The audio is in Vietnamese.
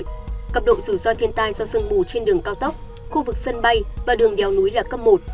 cập độ rủi ro thiên tai do sơn mù trên đường cao tốc khu vực sân bay và đường đèo núi là cấp một